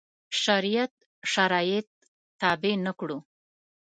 شریعت شرایط تابع نه کړو.